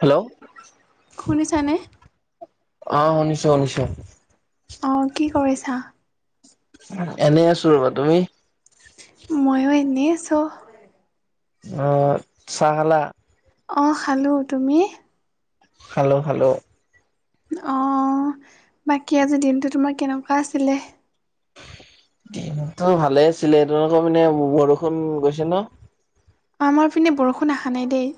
Hello. শুনিছানে? অহ শুনিছো শুনিছো। অ কি কৰিছা? এনেই আছো ৰবা, তুমি? ময়ো এনেই আছোঁ। অ, চাহ খালা? অ খালো, তুমি? খালো খালো। অঁ, বাকী আজি দিনটো তোমাৰ কেনেকুৱা আছিলে? দিনটো ভালে আছিলে, তোমালোক পিনে বৰষুণ গৈছে ন? আমাৰ পিনে বৰষুণ আহা নাই দেই।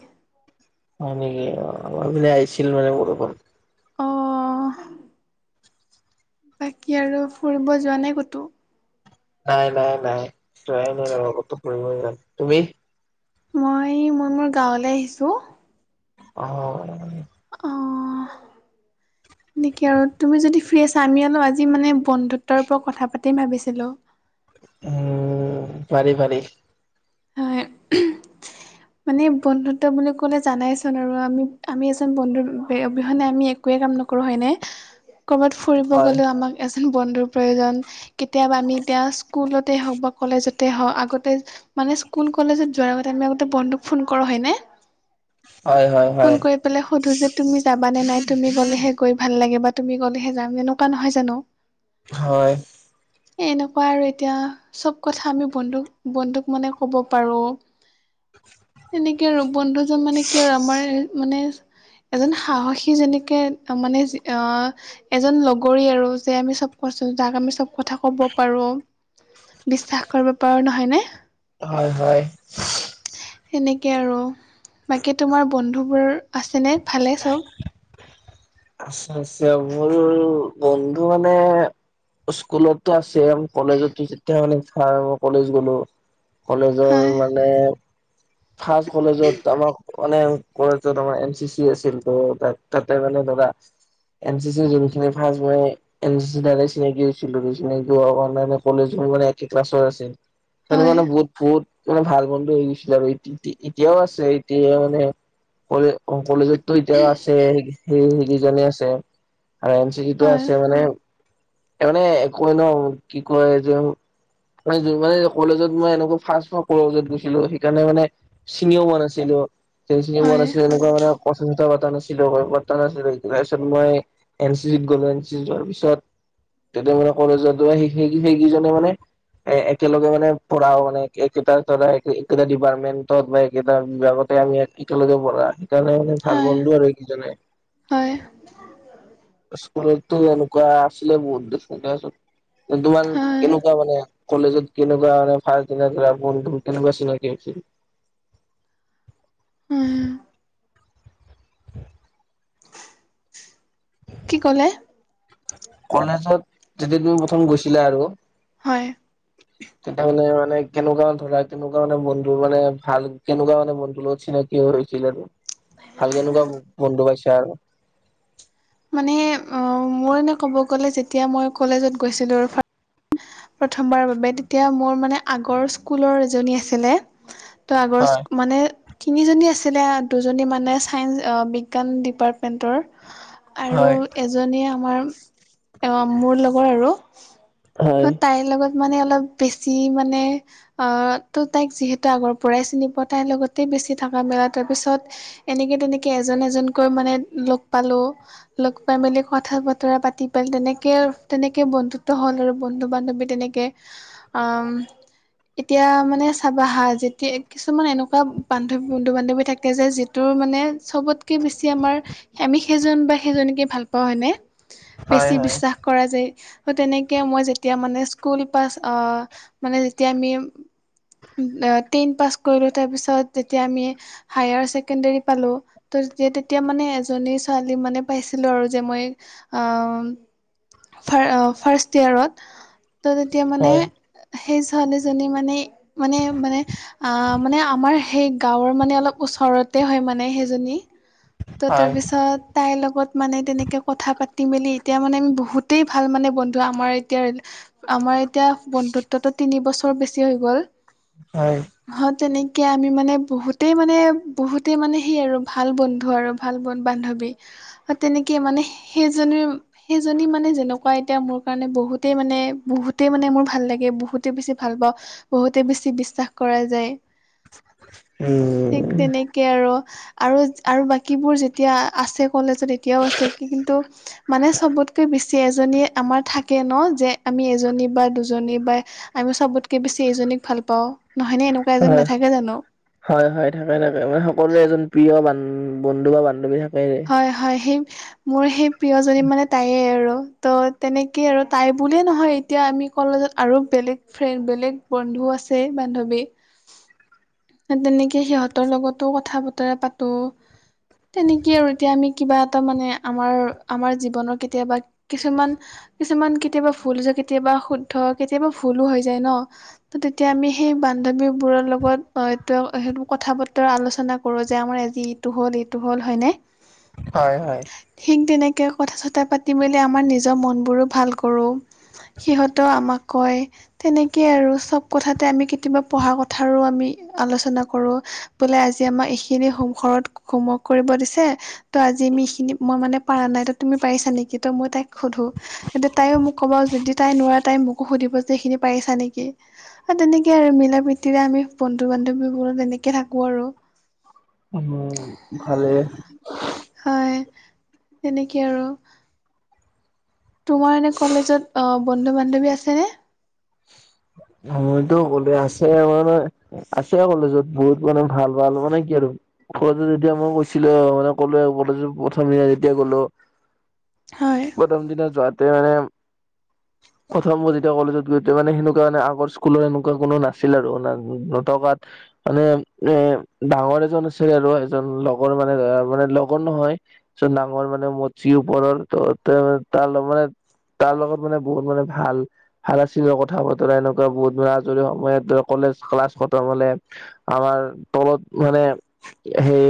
হয় নিকি, অ আমাৰ পিনে আহিছিল মানে বৰষুণ। অ, বাকী আৰু ফুৰিব যোৱা নাই ক'তো? নাই নাই নাই যোৱাই নাই ৰবা কতো ফুৰিব, তুমি? মই মই মোৰ গাঁৱলৈ আহিছোঁ। অ। অঁ এনেকে আৰু তুমি যদি ফ্ৰী আমি অলপ আজি মানে বন্ধুত্বৰ ওপৰত কথা পাতি ভাবিছিলোঁ। উ পাৰি পাৰি। হয়। মানে বন্ধুত্ব বুলি ক'লে জানাইচোন আৰু আমি আমি এজন বন্ধু অবিহনে আমি একোৱে কাম নকৰোঁ হয়নে? ক'ৰবাত ফুৰিব হয় গ'লেও আমাক এজন বন্ধুৰ প্ৰয়োজন। কেতিয়াবা আমি এতিয়া স্কুলতে হওঁক বা কলেজতে হওঁক আগতে মানে স্কুল কলেজত যোৱাৰ আগতে আমি আগতে বন্ধুক ফোন কৰোঁ হয়েনে? হয় হয় হয়। ইফালে সুধো যে তুমি যাবা নে নাই, তুমি গ'লেহে গৈ ভাল লাগে বা তুমি গ'লেহে যাম। এনেকুৱা নহয় জানো? [inaudible] হয়। এ এনেকুৱা আৰু এতিয়া চব কথা আমি বন্ধুক বন্ধুক মানে কব পাৰো, এনেকে আৰু বন্ধুজন মানে কি আৰু আমাৰ মানে এজন সাহসী যেনেকে মানে আ এজন লগৰী আৰু যে আমি চব কৈছো যাক আমি চব কথা ক'ব পাৰো, বিশ্বাস কৰিব পাৰো নহয় নে? হয় হয়। সেনেকে আৰু বাকী তোমাৰ বন্ধুবোৰ আছেনে ভালেই চব? আছে আছে, মোৰ বন্ধু মানে স্কুলত এতিয়া চেম কলেজত যেতিয়া মানে চাৰৰ মই কলেজ গ'লো কলেজৰ হয় মানে ফাৰ্ষ্ট কলেজত আমাক মানে কলেজত আমাৰ এন চি চি আছিল ত' তাতে মানে ধৰা এন চি চি যোনখিনি ফাৰ্ষ্ট মই এন চিচি দ্বাৰাই চিনাকি হৈছিলো, চিনাকি হোৱা কাৰনে কলেজৰ মানে একে ক্লাছৰ আছিল। হয় তাৰমানে বহুত বহুত মানে ভাল বন্ধু হৈ গৈছিল আৰু ইত এতিয়াও আছে এতিয়া মানে কলে কলেজতো এতিয়াও আছে। সেই-সেইকেইজনে আছে, আৰু এন চিটো হয় আছে মানে ত মানে একোৱেই ন', কি কয় যে [inaudible] মানে কলেজত মই এনেকুৱা ফাৰ্ষ্ট মই কলেজত গৈছিলোঁ, সেইকাৰণে মানে চিনিও পোৱা নাছিলোঁ। সেই চিনিও পোৱা হয় নাছিলোঁ, এনেকুৱা মানে কথা চথা পাতা নাছিলোঁ। [unintelligible] নাছিলোঁ। তাৰপিছত মই এন চি চিত গলোঁ, এন চি চিত যোৱাৰ পিছত তেতিয়া মানে কলেজত সেই- সেই-সেইকেইজনে মানে এ-একেলগে মানে পঢ়াও মানে, একেটা ধৰা একেটা ডিপাৰ্টমেণ্ট। বা একেটা বিভাগতে আমি একেলগে পঢ়া। সেইকাৰণে মানে ভাল হয় বন্ধু আৰু ইকিজনে। হয়। স্কুলতো এনেকুৱা আছিলে, বহুত দেখোন তাৰপিছত। তোমাৰ হয় কেনেকুৱা মানে কলেজত কেনেকুৱা মানে ফাৰ্ষ্ট দিনাৰ [inaudible] বন্ধু কেনেকুৱা চিনাকি হৈছিল? উম। [inaudible] কি ক'লে? কলেজত যেতিয়া তুমি প্ৰথম গৈছিলা আৰু, হয়। তেতিয়া মানে-মানে কেনেকুৱা ধৰা, কেনেকুৱা মানে বন্ধুৰ মানে, ভাল কেনেকুৱা মানে বন্ধুৰ লগত চিনাক কি হৈছিল আৰু? ভাল কেনেকুৱা-বন্ধু পাইছা আৰু? মানে, অ-মোৰ এনে ক'ব গ'লে যেতিয়া মই কলেজত গৈছিলোঁ ফা প্ৰথম বাৰৰ বাবে, তেতিয়া মোৰ মানে আগৰ স্কুলৰ এজনী আছিলে। তো আগৰ হয়, স্ক-মানে তিনিজনী আছিলে আ, দুজনী মানে ছায়ন্স অ' বিজ্ঞান ডিপাৰ্টমেণ্টৰ। আৰু হয়, এজনীয়ে আমাৰ, অ', মোৰ লগৰ আৰু। হয়, তাই লগত মানে অলপ বেছি মানে আ, ত' তাইক যিহেতু আগৰ পৰাই চিনি পোৱা তাইৰ লগতে বেছি থাকা মেলা, তাৰপিছত এনেকে তেনেকে এজন এজনকৈ মানে লগ পালো। লগ পাই মেলি কথা বতৰা পাতি পেল, তেনেকে তেনেকে বন্ধুত্ব হ'ল আৰু বন্ধু বান্ধৱী তেনেকে আম এতিয়া মানে চাবা হা, যেতিয়া কিছুমান এনেকুৱা বান্ধৱ-বন্ধু বান্ধৱী থাকে যেত ত' মানে চবতকে বেছি আমাৰ, আমি সেইজন বা সেইজনীকে ভাল পাওঁ হয়নে? হয়, বেছি হয়, বিশ্বাস কৰা যায়, ত' তেনেকে মই যেতিয়া মানে স্কুল পাছ আ মানে যেতিয়া আমি, টেন পাছ কৰিলোঁ, তাৰপিছত যেতিয়া আমি হায়াৰ ছেকেণ্ডৰী পালোঁ, ত' তেতিয়া মানে এজনী ছোৱালী মানে পাইছিলোঁ আৰু যে মই আ-ফাৰ-আ ফাৰ্ষ্ট য়েৰ ত। তো তেতিয়া মানে হয়, সেই ছোৱালীজনী মানে মানে, মানে, আ মানে, আমাৰ সেই গাঁৱৰ মানে অলপ ওচৰতে হয় মানে, সেইজনী। ত হয়, তাৰপিছত তাই লগত লগত মানে তেনেকে কথা পাতি মেলি এতিয়া মানে আমি বহুতেই ভাল মানে বন্ধু আমাৰ এতিয়া আমাৰ এতিয়া বন্ধুত্বটো তিনি বছৰ বেছি হৈ গ'ল। হয়। হ', তেনেকে আমি মানে বহুতেই মানে বহুতেই মানে, সেই আৰু ভাল বন্ধু আৰু। ভাল বন-বান্ধৱী। তেনেকে মানে সে-সেইজনীৰ সেইজনী মানে যেনেকুৱা এতিয়া মোৰ কাৰণে বহুতেই মানে, বহুতেই মানে মোৰ ভাল লাগে। বহুতেই বেছি ভাল পাওঁ। বহুতে বেছি বিশ্বাস কৰা যায়। ঠিক উম, তেনেক কে আৰু, আৰু, আৰু বাকীবোৰ যেতিয়া আছে কলেজত তিয়াও আছে কি-কিন্তু মানে চবতকে বেছ ছি এজনীয়ে আমাৰ থাকে ন' যে আমি এজনী বা দুজনী বাই আমিও চবতকে বেছি এজনীক ভাল পাওঁ নহয় নে এনেকুৱা এজনী হয়। নাথাকে জানো? হয়, হয় থাকে থাকে। মা সকলোৱে এজন প্ৰিয় বান বন্ধু বা বান্ধৱী থাকেয়ে। হয়, হয় সেই মোৰ সেই প্ৰিয়জনী মানে তাইে আৰু ত' তেনেকেই আৰু তাই বুলিয়ে নহয় তিয়া আমি কলেজত আৰু বেলেগ ফ্ৰেণ্ড বেলেগ বন্ধু আছে বান্ধবী। [inaudible] তেনেকে সিহঁতৰ লগতো কথা বতৰা পাতোঁ। তেনেকে আৰু এতিয়া আমি কিবা এটা মানে আমাৰ আমাৰ জীৱনৰ কেতিয়াবা কিছুমান কিছুমান কেতিয়াবা ভুল যে কেতিয়াবা শুদ্ধ কেতিয়াবা ভুলো হৈ যায় ন'। ত' তেতিয়া আমি সেই বান্ধৱীবোৰৰ লগত অই [inaudible] হেনো কথা বতৰা আলোচনা কৰো যে আমাৰ আজি ইটো হ'ল এইটো হ'ল হয়নে? হয়, হয়। ঠিক তেনেকে কথা চঠা পাতি মেলে আমাৰ নিজৰ মনবোৰো ভাল কৰোঁ। সিহঁতেও আমাক কয়। তেনেকে আৰু চব কথাতে আমি কেতিয়াবা পঢ়া কথাৰো আমি আলোচনা কৰোঁ। বোলে আজি আমাৰ এইখিনি হোম ঘৰত হোমৱৰ্ক কৰিব দিছে। ত' আজি আমি এখিনি মই মানে পাৰা নাই ত' তুমি পাৰিছা নেকি ত' মই তাইক সোধোঁ। তেতিয়া তাইও মোক ক'ব যদি তাই নোৱাৰে তাই মোকো সুধিব যে এইখিনি পাৰিছা নেকি। এ, তেনেকে আৰু মিলা প্ৰীতিৰে আমি বন্ধু বান্ধৱীবোৰত তেনেকে থাকো আৰু। উম, ভালে। হয় তেনেকে আৰু। তোমাৰ এনে কলেজত আ, বন্ধু বান্ধৱী আছেনে? মইতো ক'লে আছে মানে আছে কলেজত বহুত মানে ভাল ভাল মানে কি আৰু সৰুতে যেতিয়া মই কৈছিলোঁ মানে ক'লো এ, কলেজত প্ৰথমিয়া যেতিয়া গ'লো হয়। প্ৰথম দিনা যোৱাতে মানে প্ৰথম যেতিয়া কলেজত গৈতে মানে সেনেকুৱা মানে আগৰ কুলৰ এনেকুৱা কোনো নাছিল আৰু না, নতকাত মানে [unintelligible] ডাঙৰ এজন আছিল আৰু এজন লগৰ মানে আ, মানে লগৰ নহয়। চ' নাঙৰ মানে মটচি ওপৰৰ ত' তেৱে তাৰ লপ মানে তাৰ লগত মানে বহুত মানে ভাল ভাল আছিলে কথা বতৰা এনেকুৱা বহুত যোৱা আজৰি সময়ত দ কলেজ ক্লাছ খটম হ'লে আমাৰ তলত মানে সেই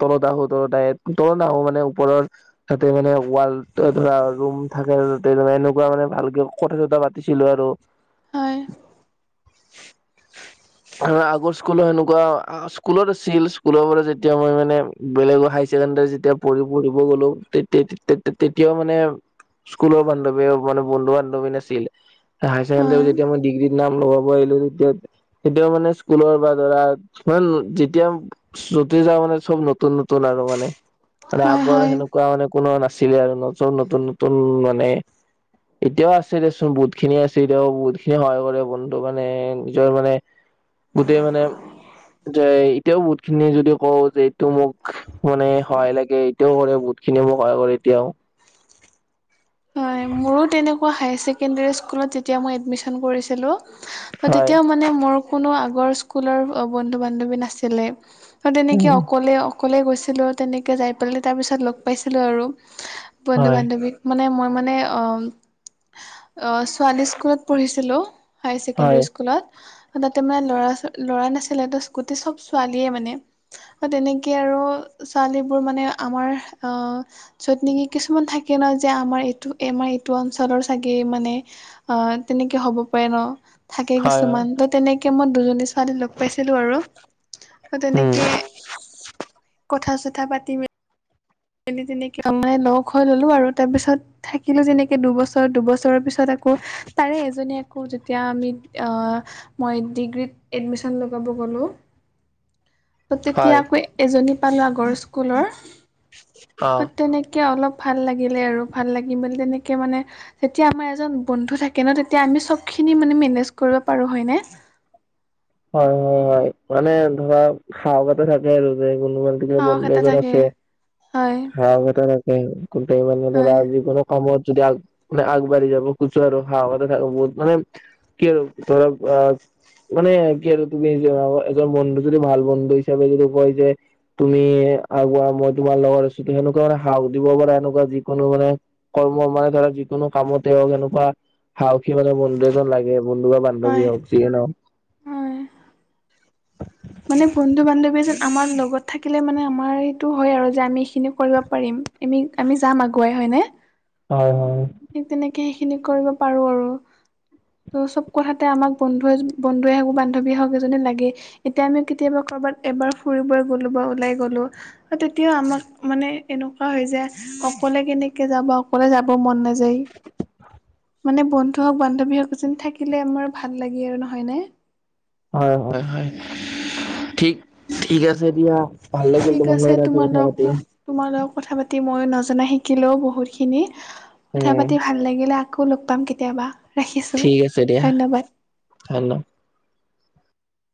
তলত আহো ত' তাই তলত নাহোঁ মানে ওপৰৰ তাতে মানে ৱাল ত, ধৰা ৰুম থাকে তাতে এনেকুৱা মানে ভালকে কথা চথা পাতিছিলোঁ আৰু। হয়। [unintelligible] হা আগৰ স্কুল' সেনেকুৱা আ, স্কুলত আছিল, স্কুলৰ পৰা যেতিয়া মই মানে বেলেগৰ হাই ছেকেণ্ডেৰী যেতিয়া পঢ়ি পঢ়িব গ'লো, তে-তে-তে-তে-তেতিয়াও মানে স্কুলৰ বান্ধৱীয়ে মানে বন্ধু বান্ধৱী নাছিল, হাই ছেকেণ্ডেৰী হয় যেতিয়া মই ডিগ্ৰীত নাম লগা পোৱা আহিলোঁ তেতিয়া তেতিয়া মানে স্কুলৰ বা ধৰা মানে যেতিয়া যতে যাওঁ মানে চব নতুন নতুন আৰু মানে মানে হয় আগৰ হয় সেনেকুৱা মানে কোনো নাছিলে আৰু নতুন নতুন নতুন মানে এতিয়াও আছে দেচোন বহুত খিনি আছে এতিয়াও বহুত খিনি সহায় কৰে বন ত' মানে নিজৰ মানে গোটেই মানে যে এতিয়াও বহুতখিনি যদি কওঁ যে টো মোক মানে সহায় লাগে এইটোও কৰে বহুতখিনিয়ে মোক সহায় কৰে এতিয়াও। হয়, মোৰো তেনেকুৱা হাইয়াৰ ছেকেণ্ডেৰী স্কুলত যেতিয়া মই এডমিশ্যন কৰিছিলোঁ। হয় তেতিয়াও মানে মোৰ কোনো আগৰ স্কুলৰ বন্ধু বান্ধৱী নাছিলে। ত' তেনেকে উম অকলে অকলে গৈছিলোঁ তেনেকৈ যাই পেলাই তাৰপিছত লগ পাইছিলোঁ আৰু। বন্ধু হয় বান্ধৱীক মানে মই মানে অ' অ' ছোৱালী স্কুলত পঢ়িছিলো। হাইয়াৰ ছেকেণ্ডাৰী হয় স্কুলত। তাতে মানে ল'ৰা ল'ৰা নাছিলে ত' গোটেই চব ছোৱালীয়েই মানে। ত' তেনেকে আৰু ছোৱালীবোৰ মানে আমাৰ অ' য'ত নেকি কিছুমান থাকে ন যে আমাৰ এই টো আমাৰ এইটো অঞ্চলৰ চাগে মানে অ' তেনেকে হ'ব পাৰে ন। থাকে হয় হয় কিছুমান ত' তেনেকে মই দুজনী ছোৱালী লগ পাইছিলো আৰু ত' উম তেনেকে কথা চথা পাত তে তেনেকেই লগ হৈ ল'লো আৰু তাৰ পিছত থাকিলো যেনেকে দুবছৰ। দুবছৰৰ পিছত আকৌ তাৰে এজনী আকো যেতিয়া আমি অহ মই ডিগ্ৰীত এডমিশ্যন লগাব গ'লোঁ। ত' হয় তেতিয়াকৈ এজনী পালোঁ আগৰ স্কুলৰ। অ'। ত' তেনেকে অলপ ভাল লাগিলে আৰু ভাল লাগি বুলি তেনেকে মানে তেতিয়া আমাৰ এজন বন্ধু থাকে ন তেতিয়া আমি চবখিনি মানে মেনেজ কৰিব পাৰো হয়নে? হয়, হয়, হয়, মানে ধৰা সাহস এটা থাকে আৰু যে কোনোবা কোনোবা সাহস বন্ধু এটা এজন থাকে আছে হয় সাহস এটা থাকে গোটেই মানে হয় ধৰা জীৱনত সমমত যদি আগ বোলে আগবাঢ়ি যাব সুযো আৰু সাহস এটা থেকে বহুত মানে কি ধৰক অ' মানে কি আৰু তুমি এজন আ বন্ধু যদি ভাল বন্ধু হিচাপে যদি কয় যে তুমি আগোৱা মই তোমাৰ লগত আছো সেনেকুৱা মানে সাহস দিব পাৰা এনেকুৱা যিকোনো মানে কৰ্ম মানে ধৰা যিকোনো কামতে এনেকুৱা সাহসী মানে বন্ধু এজন লাগে। বন্ধু বা হয় বান্ধৱী হওঁক যিয়ে নহওঁক। হয় মানে বন্ধু বান্ধৱী এজন আমাৰ লগত থাকিলে মানে আমাৰ এইটো হয় আৰু যে আমি এইখিনি কৰিব পাৰিম। এনেই আমি যাম আগুৱাই হয়নে? হয়, হয়। ঠিক তেনেকেই সেইখিনি কৰিব পাৰোঁ আৰু। ত' চব কথাতে আমাক বন্ধুৱে বন্ধুৱে হওঁক বান্ধৱীয়ে হওঁক এজনি লাগেই। এতিয়া আমি কেতিয়াবা ক'ৰবাত এবাৰ ফুৰিব গ'লো বা ওলাই গ'লো। সেই তেতিয়া আমাক মানে এনেকুৱা হয় যে, অকলে কেনেকে যাব অকলে যাব মন না যায়। মানে বন্ধু হওঁক বান্ধৱী হওঁক যেন থাকিলে আমাৰ ভাল লাগে আৰু নহয় নে? হয়, হয়, হয়, ঠিক ঠিক আছে দিয়া। ভাল লাগিল ঠিক তোমাৰ আছে লগত আজি লগ কথাপাতি। তোমাৰ লগত কথা পাতি ময়ো নজনা শিকিলো বহুতখিনি কথা উম। পাতি ভাল লাগিলে। আকৌ লগ পাম কেতিয়াবা! ৰাখিছোঁ ঠিক আছে দিয়া, ধন্যবাদ [unintelligible]